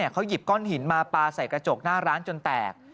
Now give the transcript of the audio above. เขาหยิบก้อนหินมาปลาใส่กระจกหน้าร้านจนแตก